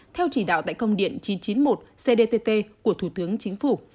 theo chỉ đạo tại công điện chín trăm chín mươi một cdtt của thủ tướng chính phủ